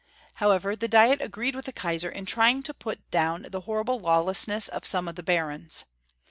However, the Diet agreed with the Kaisar in trpng to put down the horrible laAvlessness of some of the barons.